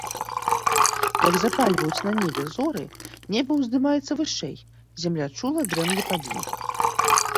Як запальваюцца на небе зоры, неба ўздымаецца вышэй, зямля чула дрэмле пад ім.